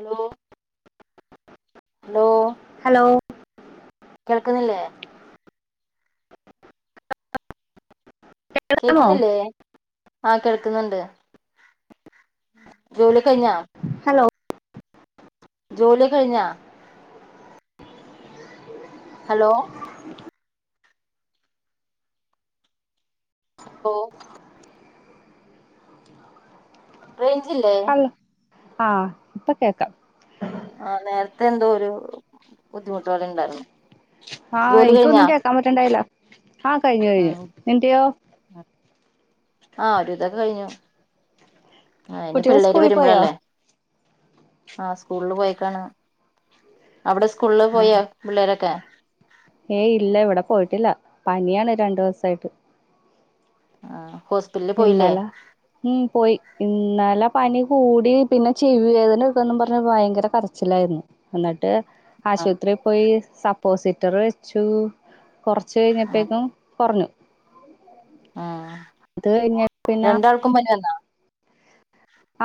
Hello. Hello hello കേൾക്കുന്നില്ലേ. കേക്കാമോ കേൾക്കുന്നില്ലേ. ആ കേൾക്കുന്നുണ്ട് ജോലി കഴിഞ്ഞോ. Hello hello. ഓ [unintelligible] റേഞ്ചില്ലേ. ഹലോ ആ, ഇപ്പാ കേക്കാം. ആ, നേരത്തെ എന്തൊരു ബുദ്ധിമുട്ട് പോലെ ഇണ്ടായിരുന്നു. ആഹ്, എനിക്കൊന്നും കേൾക്കാൻ പറ്റണ്ടായില്ല. ആ കഴിഞ്ഞു കഴിഞ്ഞു ഉം നിന്റെയോ ആഹ് ഒരു വിധൊക്കെ കഴിഞ്ഞു. കുട്ട്യാള്, സ്കൂളിൽ പോയോ. ആ സ്കൂളില് പോയിക്കാണ് അവിടെ സ്കൂളിൽ ആ പോയോ പിള്ളേരൊക്കെ ഏയ് ഇല്ല ഇവിടെ പോയിട്ടില്ല പനിയാണ് രണ്ടു ദിവസായിട്ട് ആ എന്നാല മ് പോയി ഇന്നാല പനി കൂടി പിന്നെ ചെവി വേദന എടുക്കന്ന് പറഞ്ഞ് ഭയങ്കര കരച്ചിലായിരുന്നു എന്നിട്ട് ആഹ് ആശുപത്രി പോയി സപ്പോസിറ്ററ് വെച്ചു കുറച്ച് കഴിഞ്ഞപ്പോക്കും കുറഞ്ഞു ആ അത് കഴിഞ്ഞ പിന്നെ രണ്ടാൾക്കും പനി വന്നോ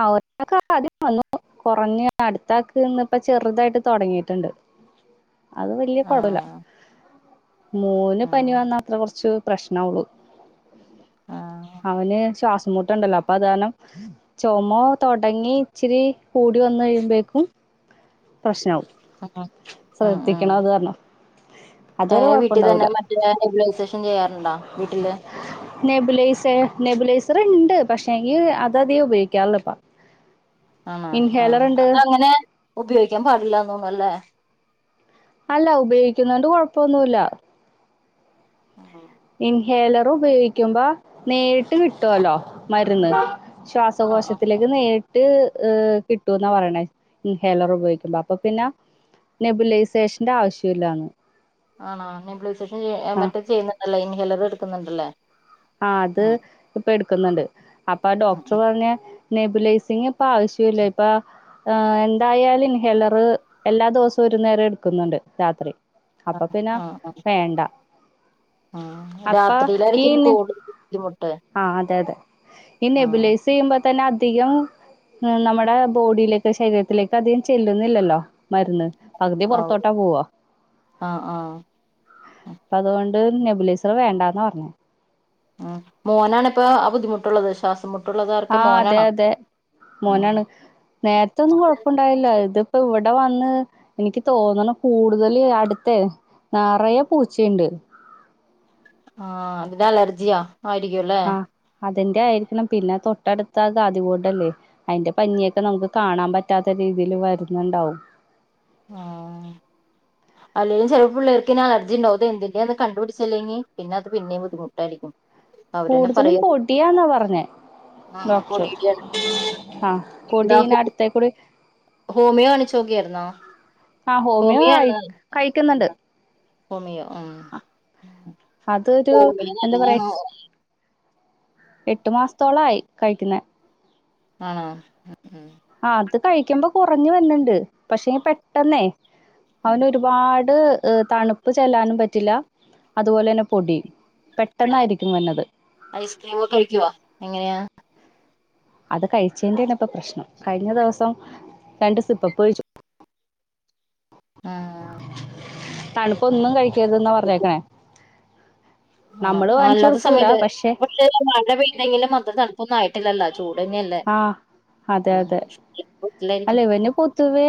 ആ ഒരാക്കെ ആദ്യം വന്നു കുറഞ്ഞ അടുത്താക്കന്ന് ഇപ്പ ചെറുതായിട്ട് തുടങ്ങിട്ടുണ്ട് അത് വല്ല്യപടുല്ല ആഹ് മൂന്ന് പനി ആഹ് വന്ന അത്ര കൊറച്ചു പ്രശ്ന ഉള്ളു ആഹ് അവന് ശ്വാസം മുട്ടുണ്ടല്ലോ അപ്പൊ അതാരണം ചുമ തൊടങ്ങി ഇച്ചിരി കൂടി വന്ന് കഴിയുമ്പോക്കും പ്രശ്‌നാവും ഉം ശ്രദ്ധിക്കണം അത് കാരണം ഏ അതുവരെ വീട്ടി തന്നെ കുഴപ്പണ്ടാവൂല മറ്റു ന നെബുലൈസേഷൻ ചെയ്യാറുണ്ടോ വീട്ടില് നെബുലൈസർ നെബുലൈസർ ഉണ്ട് പക്ഷേങ്കി അത് അധികം ഉപയോഗിക്കാറില്ലപ്പോ ആ ആ അതങ്ങനെ ഉപയോഗിക്കാൻ പാടില്ലന്ന് അല്ല ഉപയോഗിക്കുന്നോണ്ട് കോ തൊന്നൂല ആ ഇൻഹേലർ ഉപയോഗിക്കുമ്പോ നേരിട്ട് കിട്ടുവല്ലോ മരുന്ന് ആഹ് ആഹ് ശ്വാസകോശത്തിലേക്ക് നേരിട്ട ട്ട് ഹ് കിട്ടൂന്ന പറയണ ഇൻഹേലർ ഉപയോഗിക്കുമ്പോ അപ്പൊ പിന്നെ നെബുലൈസേഷന്റെ ആവിശ്യല്ലന്ന് ആണ നിമ്പ്സ് ഞ്ചഷൻ എ മറ്റെ ചെയ്യുന്ന അല്ല ഇൻഹെലൻ എടുക്കുന്നുണ്ടല്ലേ ആ അത് ഉം ഇപ്പൊ എടുക്കുന്നുണ്ട് അപ്പൊ ഉം ഡോക്ടർ ഉം പറഞ്ഞേ നെബുലൈസിംഗ് ഇപ്പ ആവശ്യമില്ല ഇപ്പ ആ എന്തായാലും ഇൻഹേലറ് എല്ലാ ദിവസവും ഒരു നേരം എടുക്കുന്നുണ്ട് രാത്രി അപ്പൊ ആഹ് പിന്നെ ആഹ് ആഹ് വേണ്ട ആഹ് അപ്പ ഈ രാത്രിയിലായിരിക്കും കൂടുതൽ ബുദ്ധിമുട്ട് ആഹ അതെ അതെ ഇ നെ ആഹ് ബലേസ് ചെയ്യുമ്പോ തന്നെ അധികം നമ്മുടെ ബോഡിയിലേക്ക് ശരീരത്തിലേക്ക് അധികം ചെല്ലുന്നില്ലല്ലോ മരുന്ന് പകുതി ആഹ് പുറത്തോട്ടാ പോവ ആഹ് ആഹ് ഉം അതുകൊണ്ട് നെബുലേസർ വേണ്ടാന്ന് പറഞ്ഞേ ഉം മോനാണ്പ്പ ആഹ് ബുദ്ധിമുട്ടുള്ളത് ശ്വാസമുട് ആഹ് അതെ അതെ ഉം മോനാണ് നേര്ത്തൊന്നും കൊഴപ്പുണ്ടായില്ല ഇത് പ്പ വടെ വന്ന് എനിക്ക് തോന്നണ് കൂടുതല് അട്ത്തെ നറയെ പൂച്ചെണ്ട് ആഹ് അതിന്റെ അലർജിയാ ആയിരിക്കുല്ലെ ആഹ് അതിന്റെ ആയിരിക്കണം പിന്നെ തൊട്ടട്ത്ത ഗാതിപോട്ടല്ലേ അയിന്റെ പഞ്ഞിയൊക്കെ നമുക്ക് കാണാൻ പറ്റാത്ത രീതില് വര്ന്നുണ്ടാവും. ആഹ് അല്ലേലും ചെലപ്പുള്ളേർക്കിനാർജിണ്ടാവും ഇതെന്തിന്റെന്ന് കണ്ടുപിട്ച്ചില്ലെങ്കി പിന്നെ അത് പിന്നേ ബുദ്ധിമുട്ടായിരിക്കും. അവരന്നെ കൂടുതലും പറയും പൊടിയാന്നാ പറഞ്ഞേ ആഹ് ഡോക്ടർ. പൊടിയുടെയാണ് ആഹ് ഇതാ പൊടീനട്ത്തേക്കുടി ഹോമിയോ കാണിച്ചോക്ക്യാര്ന്നോ? ആഹ് ഹോമിയോ ഹോമിയ ആയി കഴിക്കുന്നുണ്ട് ഹോമിയോ ആഹ് അതൊരു എന്ത പറയാ എട്ടു മാസത്തോളായി കഴിക്ക്ന്നെ ആണോ ഉം ഉം ആഹ് അത് കഴിക്കുമ്പോ കൊറഞ്ഞു വരുന്നുണ്ട്. പക്ഷെ പെട്ടെന്നേ ഉം അവനൊരുപാട് തണുപ്പ് ചെല്ലാനും പറ്റില്ല അതുപോലെന്നെ പൊടിം ഐസ്ക്രീമൊക്കെ കഴിക്കുവൊ എങ്ങനെയാ അത് കഴിച്ചേന്റൊണ് ഇപ്പൊ പ്രശ്നം കഴിഞ്ഞ ദിവസം രണ്ട് സിപ്പപ്പ് കഴിച്ചു. ആഹ് തണുപ്പ് ഒന്നും കഴി ക്കരുതന്നാ പറഞ്ഞേകാണെ [unintelligible] അല്ലാത്ത സമയത്ത് പക്ഷെ മഴപെയ്തെങ്കിലും അത്ര തണുപ്പ് ഒന്നുയി ട്ടില്ലല്ലോ ആഹ് അതെ അതെ അല്ല വീട്ടിലായിരിക്കും ഇവന് പൊതുവേ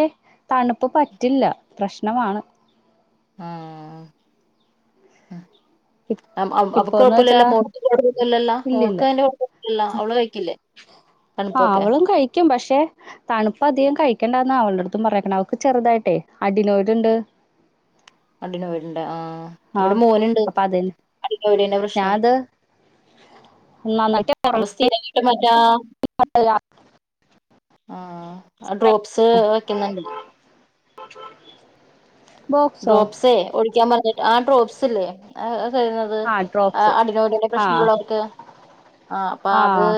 തണുപ്പ് പ പറ്റില്ല പ്രശ്നമാണ് ആഹ് ആ [unintelligible] ഇപ് അവക്ക് ഇപ്പൊന്ന് വെച്ചാ കൊഴപ്പലല്ലോ മോൾ [unintelligible] ഇല്ലില്ല മോൾക്ക് ന്റെ [unintelligible] അവള് കഴിക്കില്ലേ തണുപ്പൊക്കെ തണുപ്പ അധികം കഴിക്കണ്ടന്ന അവളുടെ അടുത്തും പറഞ്ഞേക്കണത് അവക്ക് ചെറുതായിട്ടെ അടിനോയിടൂണ്ട് ആഡിനോയിഡ് ഇണ്ട ആഹ് ഇവിടെ മോനുണ്ട് അപ്പൊ അത് അഡിനോയിഡിന്റെ പ്രശ്നം ഞാനത് നന്നായിട്ട് അവൻ സ്ഥിര രാ ആഹ് ഡ്രോപ്സ് വെക്കുന്നുണ്ട് ബോക്സോ ഡ്രോപ്സെ ഒഴിക്കാൻ പറഞ്ഞിട്ട് ആ ഡ്രോപ്സ് സില്ലേ ആ തരുന്നത് ആഹ് ഡ്രോപ്സ് അടിനോൽഡിൻ്റെ ആഹ് പ്രശ്നമുള്ളവർക്ക് ആ അപ്പൊ അത് ആഹ്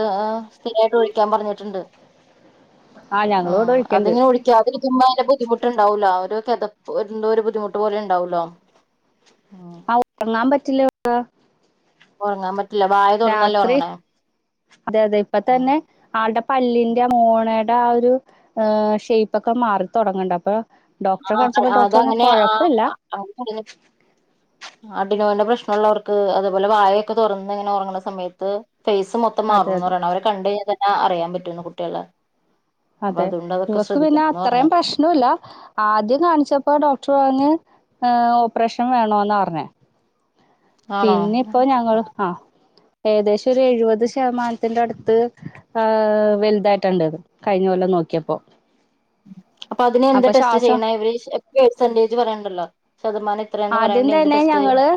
സ്ഥിരായിട്ട് ഒഴിക്കാൻ പറഞ്ഞിട്ടുണ്ട്. ആഹ് ആ ഞങ്ങള് ഇവിടെ ഒഴിക്കണ്ട് അതിനി ഒഴിക്കാതെ ഇരിക്കുമ്പോൾ അതിൻ്റെ ബുദ്ധിമുട്ടുണ്ടാവൂല കിതപ് എന്തോ ഒരു ബുദ്ധി ബുദ്ധിമുട്ട് പോലെ ഉണ്ടാവല്ലോ ആ ഉറങ്ങാൻ പറ്റില്ല [unintelligible] ഉറങ്ങാൻ പറ്റി രാത്രി അതെ അതെ ഇപ്പ തന്നെ ആൾടെ പല്ലിന്റെ മോണയുടെ ആ ഒരു ഷേപ്പ് ഒക്കെ മാറിത്തുടങ്ങുന്നുണ്ട് അപ്പൊ ഡോക്ടറെ ആ കാണിച്ചപ്പോ ഡോക്ടർ പറഞ്ഞ് അതങ്ങനെ ആ കൊഴപ്പില്ല [inaudible] അടിനോഡിന്റെ പ്രശ്നം ഉള്ളവർക്ക് അതേപോലെ വാഴയൊക്കെ തുറന്ന് ഇങ്ങനെ ഉറങ്ങണ സമയത്ത് ഫേസ് മൊത്തം അതെ മാറുന്ന് അതെ പറയണ അവരെ കണ്ടു കഴിഞ്ഞ അറിയാൻ പറ്റുന്ന് കുട്ടികളെ അപ്പൊ അതെ അതുകൊണ്ട് അതൊക്കെ ഇവക്ക് പിന്നെ ശ്രദ്ധിക്കണംന്ന് പറഞ്ഞ് അത്രയും പ്രശ്നമില്ല ആദ്യം കാണിച്ചപ്പോ ഡോക്ടർ പറഞ്ഞ് ഓപ്പറേഷൻ വേണോന്നാ പറഞ്ഞേ ആണോ പിന്നെപ്പോൾ ഞങ്ങള് ആ ഏകദേശ എഴുപത് ശതമാനം ത്തിന്റെ അടുത്ത് ആ വലുതായിട്ടുണ്ട്ത് കഴിഞ്ഞ കൊല്ലം നോക്കിയപ്പോ അപ്പൊ അതിന് എന്ത് ടെസ്റ്റ് ചെയ്യണ ഇവര് പെർസെന്റേജ് പറയണ്ടല്ലോ ശതമാനം ഇത്രയാന്ന് ആദ്യം പറയണ്ട എന്ത് തന്നെ ടെസ്റ്റ് ഞങ്ങള് ചെയ്യണം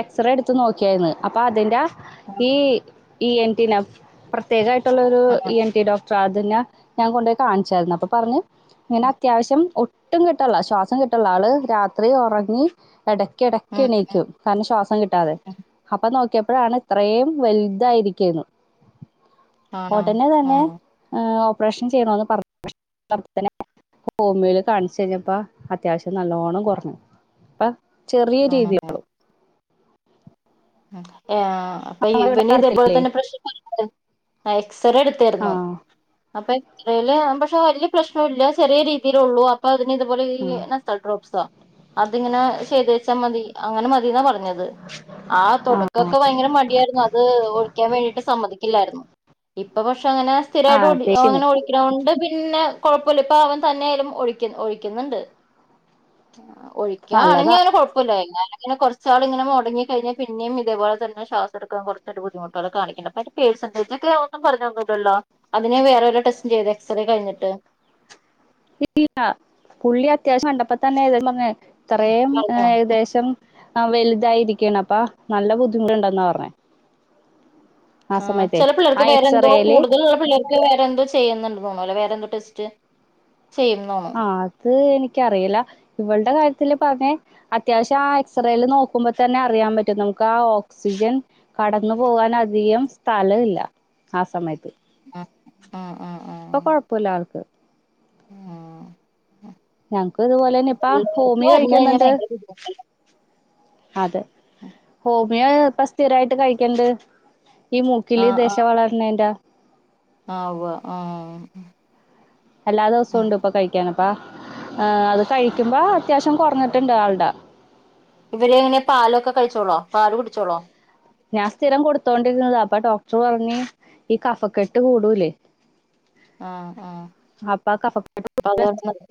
എക്സറേ എടുത്ത് നോക്കിയാരുന്നു അപ്പൊ അതിന്റെ ഉം ഈ ഇ എൻ ടി നെ പ്രത്യേക ത്തുള്ളൊരു ഉം ഇ എൻ ടി ഡോക്ടർ തിനെ ഞാൻ കൊണ്ടുപോയി കാണിച്ചായിരുന്നു അപ്പൊ പറഞ്ഞ് ഇങ്ങനെ അത്യാവശ്യം ഒട്ടും കിട്ടണില്ല ശ്വാസം കിട്ടണില്ല ആള് രാത്രി ഉറങ്ങി ഇട കിടക്ക ഉം ഉം ഉം എണീക്കും കാരണം ശ്വാസം കിട്ടാതെ അപ്പൊ നോക്കിയപ്പോൾ അപ്പോഴാണ് ഇത്രയും വലുതായിരിക്കുന്നത് ആണോ ഉടനെ തന്നെ ഉം ഏഹ് ഓപ്പറേഷൻ ചെയ്യണന്ന് പറഞ്ഞ ക്ഷെ [unintelligible] ഹോമിയയിൽ കാണിച്ചു കഴിഞ്ഞപ്പോ അത്യാവശ്യം നല്ലോണ്ണം കൊറഞ്ഞു അപ്പ ചെറിയ ആണോ രീതിയള്ളു ഉം ആഹ് അപ്പൊ നമ്മുടെ ഇവിടെ ഇവന് ഇതേപോലെ അടുത്തില്ലേ തന്നെ പ്രശ്‌നം ആയി എക്സ് റേ ആ എടുത്തായിരുന്നോ അപ്പൊ എക്സ്റേയില് പക്ഷെ വല്യ പ്രശ്നം ഇല്ല ചെറിയ രീതിയിലെ ഉള്ളു അപ്പൊ അതിന് ഇതുപോലെ ഈ ആ നസൽ ഡ്രോപ്സോ അതിങ്ങനെ ചെയ്ത് വേച്ചാൽ മതി. അങ്ങനെ മതിന്നാ പറ ഞ്ഞത്. ആ തുടക്കൊക്കെ ഭയങ്കര മടിയായിരുന്നു അത് ഒഴിക്കാൻ വേണ്ടിട്ട് സമ്മതിക്ക ത്തില്ലായിരുന്നു ഇപ്പൊ പക്ഷെ അങ്ങനെ സ്ഥിരമായിട്ട് ആഹ് ഓഴി തേക്കും അങ്ങനെ ഒഴിക്കണ കൊണ്ട് പിന്നെ കൊഴപ്പമില്ല ഇപ്പ അവൻ തന്നെ ആയാലും ഒഴിക്കും ഒഴിക്കുന്നുണ്ട്. നല്ലതാ ഒഴിക്കാങ്ങനെ കുഴപ്പില്ലാരുന്നു അങ്ങനെ കുറച്ചു നാൾ ഇങ്ങനെ മുടങ്ങി കഴിഞ്ഞ പിന്നെയും ഇതേപോലെ തന്നെ ശ്വാസ എടുക്കാൻ കുറച്ച് ബുദ്ധിമുട്ടൊക്കെ കാണിക്കണ്ട്. അപ്പ പേർസന്റെജ് ഒ ഒന്നും പറഞ്ഞുതന്നല്ലോ അതിനെ വേറെ ടെസ്റ്ററ്റ് ചെയ്ത് എക്സറേ കഴിഞ്ഞിട്ട് ഇല്ല പുള്ളി അത്യാവശ്യം കണ്ടപ്പ തന്നെ ഏതെങ് ഇത്രയും പറഞ്ഞോ ഏകദേശം ആ വലുതായിരിക്കാണ് അപ്പാ നല്ല ബുദ്ധിമുട്ടുണ്ടുന്നാ പറഞ്ഞേ ആ ചില പിള്ളർക്ക് വേറെന്തോ എക്സറേയില് കൂടുതല ഉള്ള പിള്ളേർക്ക് വേറെന്തോ ചെയ്യുന്നുണ്ടതോണോ അല്ലോ വേറെന്തോ ടെസ്റ്റ് ചെയ്യുന്നോണ് ആ അത് എനിക്ക് എനിക്കിയില്ല ഇവളടെ കാര്യത്തില്‌ പറഞ്ഞേ അത്യാവശ്യം ആ എക്സ്റേയില് നോക്കുമ്പോ തന്നെ അറിയാൻ പറ്റും നമുക്ക് ആ ഓക്സിജൻ കടന്നു പോകൻ അധികം സ്ഥലം ഇല്ല ആ സമയത്ത്. ആഹ് ആഹ് ഇപ്പൊ കൊഴപ്പില്ല ആൾക്ക്. ആ ഞങ്ങക്ക് ഇതുപോലെന്നെ ഇപ്പാ ഹോമിയോ വന്ന് കഴിഞ്ഞാ കഴിക്കുന്നുണ്ട്. ഭയങ്കര ബുദ്ധിമുട്ടാ അതെ ഹോമിയോ ഇപ്പൊ സ്ഥിരായിട്ട് കഴിക്കണ്ട്. ഈ മൂക്കില് ദെശവളർണേന്റെ ആവുവ ആ എല്ലാ ദിവസവും ഉണ്ട് ഇപ്പൊ കഴിക്കാന്. അപ്പ ആ അത് കഴിക്കുമ്പോ അത്യാവശ്യം കുറഞ്ഞിട്ടുണ്ട് ആളുടെ ഇവര് എങ്ങനെ പാലൊക്കെ കഴിച്ചോളോ പാല് കുടിച്ചോളോ ഞാൻ സ്ഥിരം കൊടുത്തോണ്ടിരുന്നതാ അപ്പൊ ഡോക്ടർ പറഞ്ഞ് ഈ കഫക്കെട്ട് കൂടൂലേ ആ ആ അപ്പൊ കഫക്കെട്ട് പയേത് അല്ലെ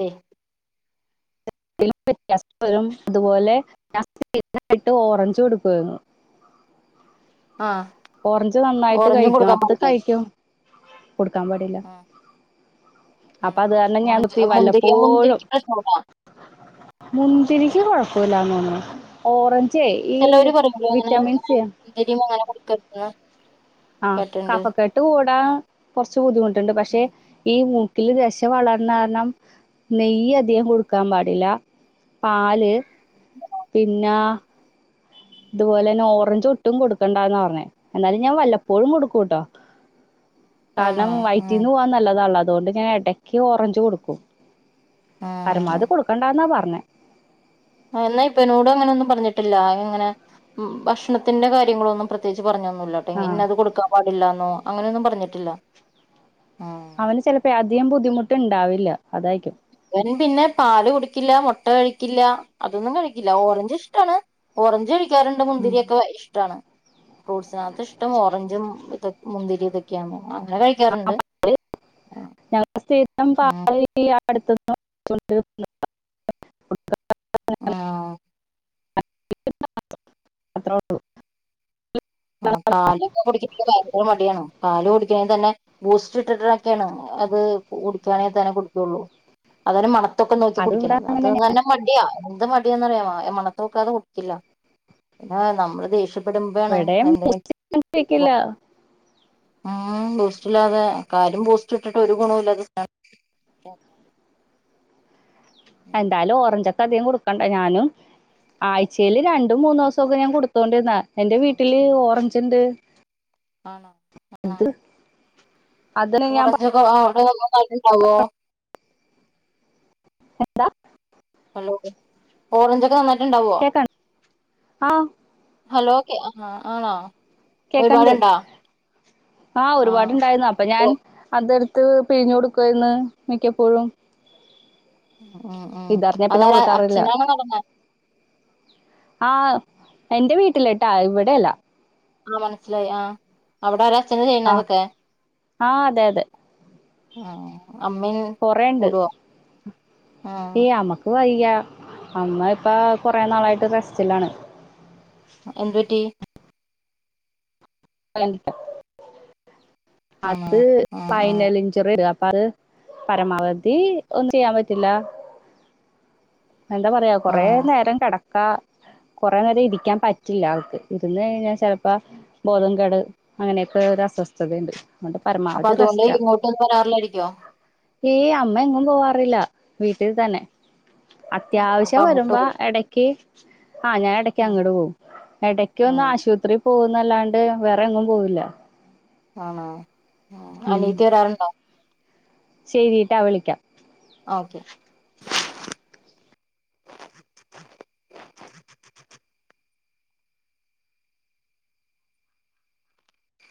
പിന്നെ വ്യത്യാസവും അതുപോലെ [unintelligible] എന്നിട്ട് ഓറഞ്ച്കൊടുക്കുവായിരുന്നു. ആഹ് ഓറഞ്ച് നന്നായിട്ട് ഓറഞ്ചും കഴിക്കും കൊടുക്കാൻ അപ്പത് പാടില്ലേ കഴിക്കും. കൊടുക്കാൻ പാടില്ല. ആഹ് അപ്പൊ ആണോ അത് കാരണം ഞാൻ ഓറഞ്ച് മുന്തിരിയോ നിർത്തിവല്ലപ്പോഴും മുന്തിരിക്ക് പ്രശ്നമുണ്ടോ മുന്തിരിക്ക് കൊഴപ്പമില്ലന്ന് തോന്നുന്നു ഓറഞ്ച് ഏ ഈ ചെലോര് പറയൂലേ അങ്ങനെ വിറ്റാമിൻ സി മുന്തിരിയും [inaudible] ആഹ് കേട്ടിട്ടുണ്ട് കഫക്കെട്ട് കൂടാ കുറച്ച് ബുദ്ധിമുട്ട് ണ്ട് പക്ഷെ ഈ മൂക്കില് ക്കില് ദശ വളർന്നാരണം നെയ്യധികം കൊടുക്കാൻ പാടില്ല പാല്- പിന്നാ അതുപോലെന്നെ ഓറഞ്ച് ഒട്ടും കൊടുക്കണ്ടാന്ന പറഞ്ഞെ എന്നാലും ഞാൻ വല്ലപ്പോഴും കൊടുക്കൂട്ടാ കാരണം ആണോ ആഹ് വൈറ്റീന്നു പോവാൻ നല്ലതാള്ള അതുകൊണ്ട് ഞാൻ ഇടയ്ക്ക് ഓറഞ്ച് കൊടുക്കും ആഹ് പരമാവധി കൊടുക്കണ്ടാന്നാ പറ ഞ്ഞെ എന്നാ ഇവനോട് അങ്ങനെ ഒന്നും പറഞ്ഞിട്ടില്ല ഇങ്ങനെ ഭക്ഷണത്തിന്റെ കാര്യങ്ങളൊന്നും പ്രത്യേയിച്ച് പറഞ്ഞൊന്നൂല്ലട്ടാ ആഹ് ഇന്നത് കൊടുക്കാൻപാട് ല്ലാന്നോ അങ്ങനൊന്നും പറഞ്ഞിട്ടില്ല ഉം അവന് ചിലപ്പേ അധികം ബുദ്ധിമുട്ട് ഇണ്ടാവില്ല അതായിരിക്കും ഇവൻ പിന്നെ പാല് കുടിക്കില്ല മുട്ട കഴിക്കില്ല അതൊന്നും കഴിക്കില്ല ഓറഞ്ച് ഇഷ്ടമാണ് ഓറഞ്ച് കഴി ക്കാറിണ്ട് മുന്തിരിയൊക്കെ ഇഷ്ട്ടാണ് ഫ്രൂട്സാ ഇഷ്ടം ഓറഞ്ചും ഇതൊ മുന്തിരിയിതൊക്കെയാണ് ആ ഉം ഞങ്ങള സ്ഥിം [unintelligible] അടു [unintelligible] ആ ത്ര [unintelligible] ആ പാലൊക്കെ കുടിക്കാനിവന് ഭയങ്കര മടിയണ് പാല് കുടിക്കണെങ്കിൽ തന്നെ ബൂസ്റ്റ് ഇട്ടിട്ടുള്ളെക്കേണ് അത് കുടിക്കാണെങ്കിൽ തന്നെ കുടിക്കുള്ളു അതന്നെ മണ നമ്മക്കൊക്കെ നോക്കി അത് കുടിക്കണ ഇവിടെ അത് അങ്ങനെന്നെ തന്നെ മടിയ എന്ത് മടി എന്നറിയാമ മണത്തോക്കാതെ കുടിക്കില്ല പിന്നെ നമ്മള് ദേഷ്യ പ്പെടുമ്പേണ് ക്കില്ല [unintelligible] ഉം ബൂസ്റ്റ് ഇല്ലാതെ കാര്യം ബൂസ്റ്റ് ഇട്ടിട്ട് ഒരു ഗുണോല്ല എന്തായാലും ഓറഞ്ച് അധികം കൊടുക്കണ്ട ഞാനും ആഴ്ചേല് രണ്ടും മൂന്നോസോക്ക ഞാൻ കൊടുത്തോണ്ടിരുന്ന എൻന്റെ വീട്ടില് ഓറഞ്ച് ഇണ്ട് ആണോ [unintelligible] അതിന് ഞാൻ ഓറഞ്ചക ആ [unintelligible] [unintelligible] ണ്ടാവോ എന്താ മുമെന്റ് ഇണ്ടാവോ കേക്കണ്ട ആഹ് ഹലോ ആ ആഹ് ആണോ കേക്കണ്ട് ഒരുപാടുണ്ടോ ആ ആഹ് ഒരുപാടുണ്ടായിരുന്നു അപ്പൊ ഞാൻ ഓ അതെട് ത്ത് പിഴിഞ്ഞു കൊടുക്കായിരുന്ന് മിക്കപ്പോഴും ഉം ഉം ഇതറിഞ്ഞ പിന്നെ അതാര കൊടുക്കാറില്ല അച്ഛനാണൊ നടന്നെ ആഹ് എന്റെ വീട്ടില് ട്ടോ ഇവിടെയല്ല ആ മനസ്സിലായി ആ അവിടെ ആരാ അച്ഛനാ ചെയ്യണെ ആ ഹ് അതൊക്കെ ആ അതെ അതെ ആ കൊറേണ്ട് ഏ ആഹ് അമ്മക്ക് വയ് - യ്യാ അമ്മ ഇപ്പ കൊറേ നാളായിട്ട് റെസ്റ്റിലാണ് എന്ത് പറ്റി [unintelligible] ആണോ അത് ആഹ് ആഹ് ഫൈനലിഞ്ചിറെടാ [unintelligible] ന്ന് [unintelligible] പരമാവധി ഒന്നും ചെയ്യാൻ പറ്റില്ല എന്താ പറയാ കൊറേ ആഹ് നേരം കെട ക്കാ കൊറേ നേരം ഇരിക്കാൻ പറ്റില്ല അവൾക്ക് ഇര്ന്ന് കഴിഞ്ഞാ ചെലപ്പ ബോധംകെട് അങ്ങനെയൊക്കെ ഒരു അസ്വസ്ഥതയ്ണ്ട്. അപ്പൊ അതോണ്ട് ഇങ്ങോട്ട് ഒന്നും വരാറില്ലായിരിക്കോ? ഏ അമ്മ എങ്ങും പോവാറില്ല വീട്ടിൽ തന്നെ. അപ്പൊ അത്യാവശ്യം അങ്ങോട്ട് വരുമ്പോ പോവും എടക്ക് ആ ഞാൻ എടയ്ക്ക് അങ്ങട് പോവും എടയ്ക്കൊന്ന് ഉം ആശുവത്രി പോ ന്നല്ലാണ്ട് വേറെ എങ്ങും പോവില്ല. ആണോ? അനിയത്തി വരാറ്ണ്ടോ? ശരി ട്ടോ, വിളിക്കാം. ഓക്കെ